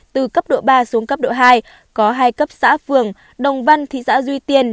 từ cấp độ ba xuống cấp độ hai có hai cấp xã phường đồng văn thị xã duy tiên